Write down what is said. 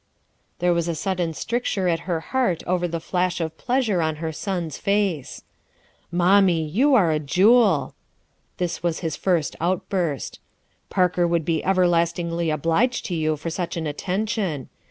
There was a sudden stricture at her heart over the flash of pleasure on her son's face, "Moimme, you are a jewel!" this was his first outburst. "Parker would be everlast ingly obliged to you for such an attention.